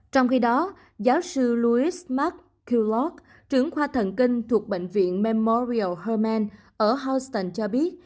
trong khi đó giáo sư louis mark kulock trưởng khoa thần kinh thuộc bệnh viện memorial hermann ở houston cho biết